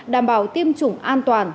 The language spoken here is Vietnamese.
đảm bảo tiêm chủng an toàn